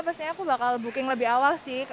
pasti aku bakal booking lebih awal sih